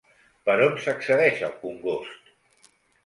Per on s'accedeix al congost?